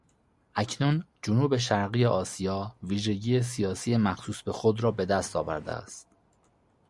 اکنون جنوب شرقی آسیا ویژگی سیاسی مخصوص به خود را به دست آوردهاست.